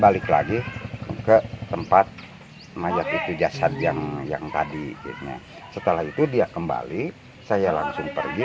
balik lagi ke tempat mayat itu jasad yang yang tadinya setelah itu dia kembali saya langsung pergi